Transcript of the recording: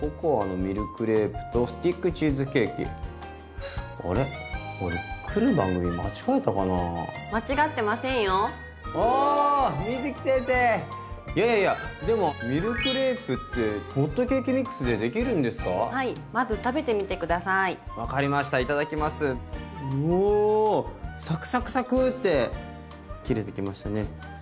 サクサクサクって切れてきましたね。